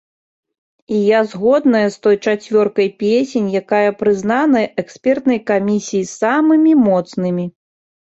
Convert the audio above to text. І я згодная з той чацвёркай песень, якая прызнаная экспертнай камісіяй самымі моцнымі.